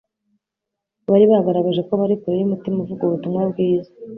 bari bagaragaje ko bari kure y'umutima uvuga ubutumwa bwiza.